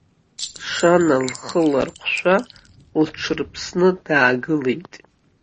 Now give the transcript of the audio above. Шана лхы ларҟәшәа, лҽырԥсны даагылеит.